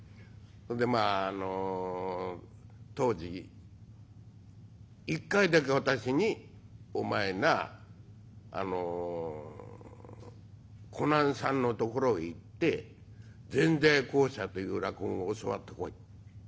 そんでまああの当時一回だけ私に「お前なあの小南さんのところへ行って『ぜんざい公社』という落語を教わってこい。